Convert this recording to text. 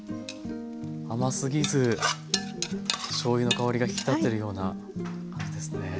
甘すぎずしょうゆの香りが引き立ってるような感じですね。